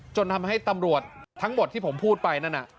จนทำให้ตำรวจทั้งหมดที่ผมพูดไปนั่นน่ะ